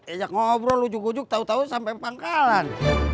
ejak ngobrol ujuk ujuk tau tau sampai pangkalan